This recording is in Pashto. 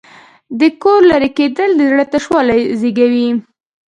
د کوره لرې کېدل د زړه تشوالی زېږوي.